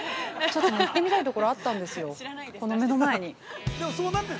ちょっと行ってみたいところあったんですよ、この目の前に。